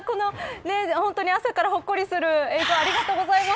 朝からほっこりする映像をありがとうございます。